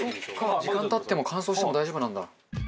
時間経っても乾燥しても大丈夫なんだ。